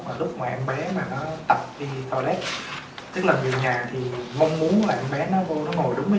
mà lúc ngoài em bé mà nó tập đi toilet tức là nhiều nhà thì mong muốn là em bé nó vô nó ngồi đúng cái